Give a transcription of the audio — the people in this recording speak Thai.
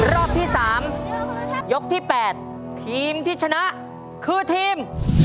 รอบที่๓ยกที่๘ทีมที่ชนะคือทีม